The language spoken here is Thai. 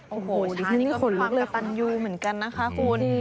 โอ้โหช้างนี้ก็มีความกระตันยูเหมือนกันนะคะคุณ